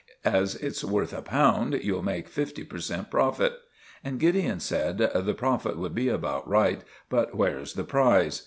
As it's worth a pound, you'll make fifty per cent. profit." And Gideon said, "The profit would be about right, but where's the prize?"